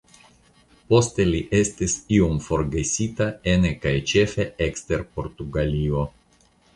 Poste li estis iom forgesita ene kaj ĉefe ekster Portugalio.